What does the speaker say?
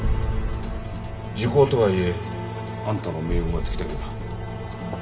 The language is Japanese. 時効とはいえあんたの命運は尽きたようだ。